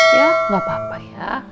ya nggak apa apa ya